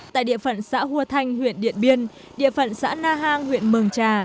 tại địa phận xã hua thanh huyện điện biên địa phận xã na hang huyện mường trà